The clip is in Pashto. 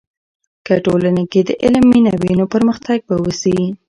که ټولنې کې د علم مینه وي، نو پرمختګ به وسي.